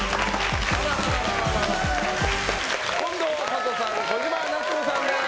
近藤サトさん小島奈津子さんです。